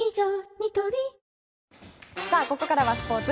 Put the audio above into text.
ニトリここからはスポーツ。